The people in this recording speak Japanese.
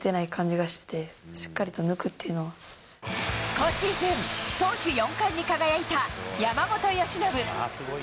今シーズン投手４冠に輝いた山本由伸。